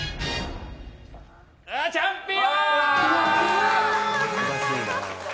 チャンピオン！